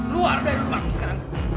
luar dari rumahku sekarang